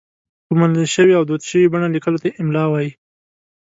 په منل شوې او دود شوې بڼه لیکلو ته املاء وايي.